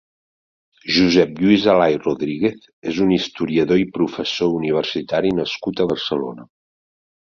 Josep Lluís Alay Rodríguez és un historiador i professor universitari nascut a Barcelona.